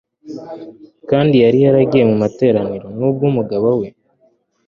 kandi yari yaragiye mu materaniro nubwo umugabo we